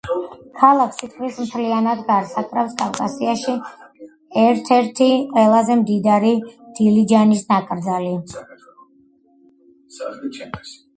ქალაქს თითქმის მთლიანად გარს აკრავს კავკასიაში ერთ-ერთი ყველაზე მდიდარი დილიჯანის ნაკრძალი.